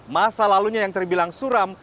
masa lalunya yang terbilang suram